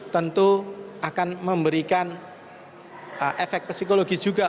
tentu akan memberikan efek psikologi juga